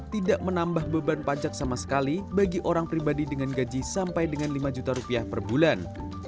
tidak menambah beban pajak sama sekali bagi orang pribadi dengan gaji sampai dengan lima juta rupiah per bulan